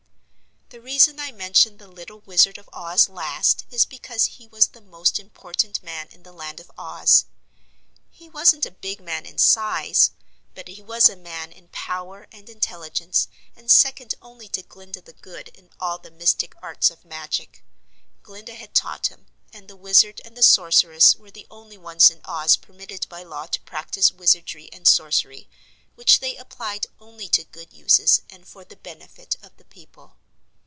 The reason I mention the little Wizard of Oz last is because he was the most important man in the Land of Oz. He wasn't a big man in size but he was a man in power and intelligence and second only to Glinda the Good in all the mystic arts of magic. Glinda had taught him, and the Wizard and the Sorceress were the only ones in Oz permitted by law to practice wizardry and sorcery, which they applied only to good uses and for the benefit of the people.